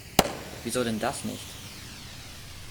Wieso denn das nicht?